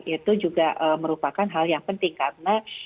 itu juga merupakan hal yang penting karena